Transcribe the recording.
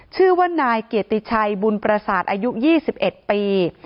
ชื่อว่านายเกียรติชัยบุญประสาทอายุ๒๑ปี